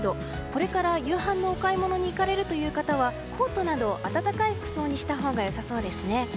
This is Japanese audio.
これから夕飯のお買い物に行かれるという方はコートなど暖かい服装にしたほうが良さそうですね。